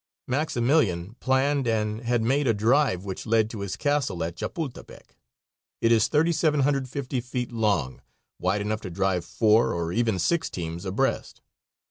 Maximilian planned and had made a drive which led to his castle at Chapultepec. It is 3750 feet long, wide enough to drive four, or even six teams abreast.